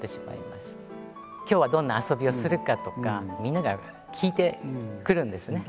今日はどんな遊びをするかとかみんなが聞いてくるんですね。